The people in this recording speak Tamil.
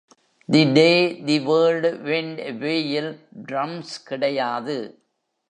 “The day the world went அவேயில்” டிரம்ஸ் கிடையாது.